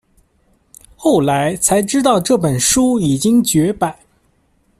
后来才知道这本书已经绝版